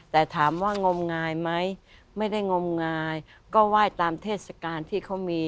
แต่ถามว่างมงายไหมไม่ได้งมงายก็ไหว้ตามเทศกาลที่เขามี